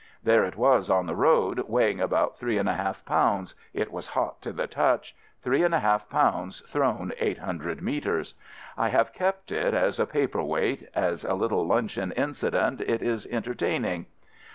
There it was on the road, weighing about three and a half pounds — it was hot to the touch — three and a half pounds thrown eight hundred metres. I have 92 AMERICAN AMBULANCE kept it as a paper weight — as a little luncheon incident it is entertaining.